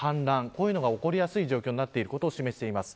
こういうのが起こりやすい状況になってること示しています。